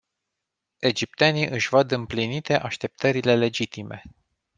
Egiptenii își văd împlinite așteptările legitime.